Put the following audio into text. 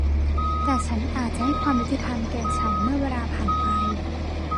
แต่ฉันอาจจะให้ความยุติธรรมแก่ฉันเมื่อเวลาผ่านไป